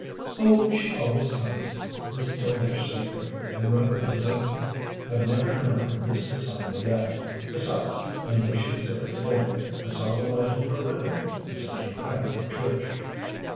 "Oh, she always comes," Miss Delmege said quickly and rather resentfully. "I've never known her miss a Sunday yet. Besides, I know she was there today. I saw the light in her window as I came back from church."